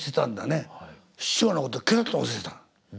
師匠のことケロッと忘れてたの。